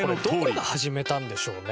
これどこが始めたんでしょうね？